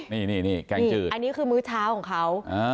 นี่นี่นี่แกงจืดอันนี้คือมื้อเช้าของเขาอ่า